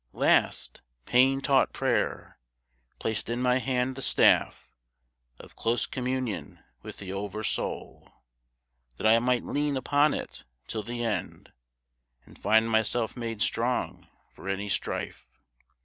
Last, pain taught prayer! placed in my hand the staff Of close communion with the over soul, That I might lean upon it till the end, And find myself made strong for any strife.